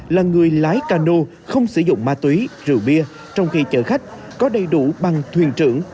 là người lái cano không sử dụng ma túy rượu bia trong khi chở khách có đầy đủ bằng thuyền trưởng